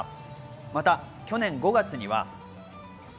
また去年５月には。